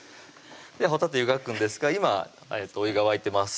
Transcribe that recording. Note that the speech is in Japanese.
ほたて湯がくんですが今お湯が沸いてます